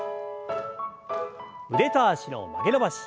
腕と脚の曲げ伸ばし。